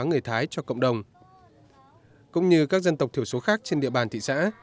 người thái cho cộng đồng cũng như các dân tộc thiểu số khác trên địa bàn thị xã